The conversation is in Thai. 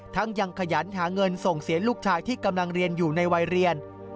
ยังขยันหาเงินส่งเสียลูกชายที่กำลังเรียนอยู่ในวัยเรียน